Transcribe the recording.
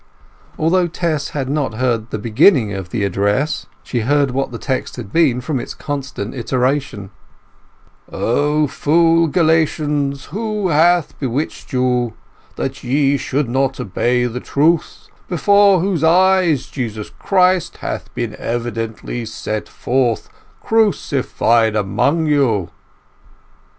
Although Tess had not heard the beginning of the address, she learnt what the text had been from its constant iteration— "O foolish Galatians, who hath bewitched you, that ye should not obey the truth, before whose eyes Jesus Christ hath been evidently set forth, crucified among you?"